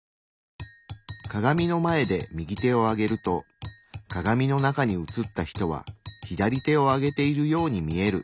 鏡の前で右手を上げると鏡の中に映った人は左手を上げているように見える。